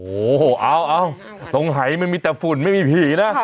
โอ้โหเอาตรงหายมันมีแต่ฝุ่นไม่มีผีนะ